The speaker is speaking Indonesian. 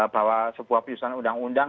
bahwa sebuah perusahaan undang undang